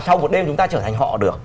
sau một đêm chúng ta trở thành họ được